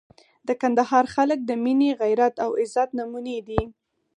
د کندهار خلک د مینې، غیرت او عزت نمونې دي.